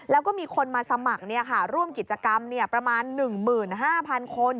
แล้วก็มีคนมาสมัครร่วมกิจกรรมประมาณ๑๕๐๐๐คน